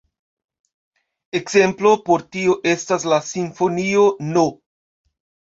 Ekzemplo por tio estas la simfonio no.